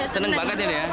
senang banget ini ya